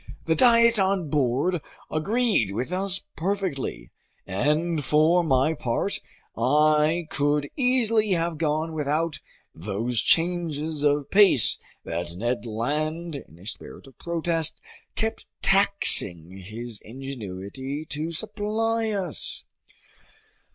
The diet on board agreed with us perfectly, and for my part, I could easily have gone without those changes of pace that Ned Land, in a spirit of protest, kept taxing his ingenuity to supply us.